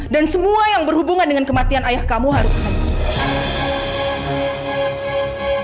semua yang berhubungan dengan kematian ayah kamu harus ada